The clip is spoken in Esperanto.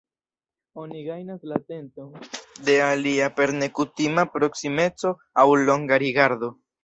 Oni gajnas la atenton de alia per nekutima proksimeco aŭ longa rigardo.